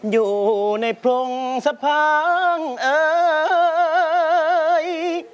อยู่ในพรงสะพางเอ่ย